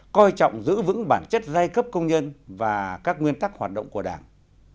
coi trọng giữ vững bản chất giai cấp công nhân và các nguyên tắc hoạt động của đảng